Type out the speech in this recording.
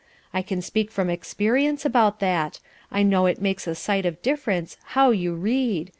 I can speak from experience about that; I know it makes a sight of difference how you read.